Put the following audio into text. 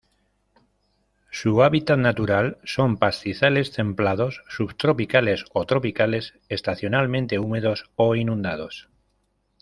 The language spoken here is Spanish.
Su hábitat natural son pastizales templados, subtropicales o tropicales estacionalmente húmedos o inundados.